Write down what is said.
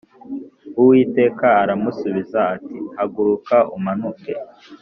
Uwiteka aramusubiza ati Haguruka umanuke